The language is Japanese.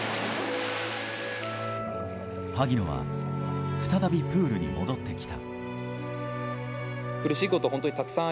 萩野は再びプールに戻ってきた。